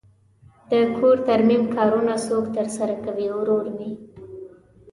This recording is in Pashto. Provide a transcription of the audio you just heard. د کور ترمیم کارونه څوک ترسره کوی؟ ورور می